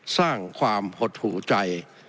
สร้างความหดหูใจ